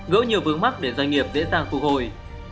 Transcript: gỡ nhiều vướng mắt để doanh nghiệp dễ dàng phục hồi